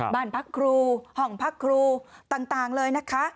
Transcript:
บ้านพักครูห้องพักครูต่างเลยนะคะ